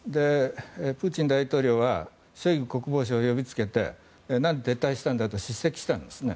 プーチン大統領はショイグ国防相を呼びつけてなんで撤退したんだと叱責したんですね。